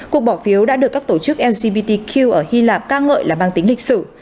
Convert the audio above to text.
cuộc bỏ phiếu đã được các tổ chức lgbtq ở hy lạp ca ngợi là mang tính lịch sử